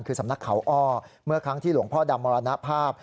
คือสำนักเขาอ้อเมื่อครั้งที่หลวงพ่อดำมรณภาพ